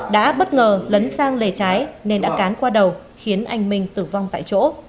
đã bất ngờ lấn sang lề trái nên đã cán qua đầu khiến anh minh tử vong tại chỗ